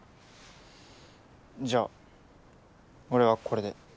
じゃあ俺はこれで。